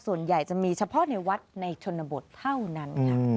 ส่วนใหญ่จะมีเฉพาะในวัดในชนบทเท่านั้นค่ะ